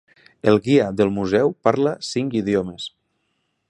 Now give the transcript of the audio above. El guia del museu parla cinc idiomes.